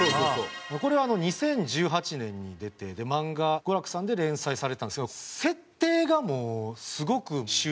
これは２０１８年に出て『漫画ゴラク』さんで連載されてたんですけど設定がもうすごく秀逸で。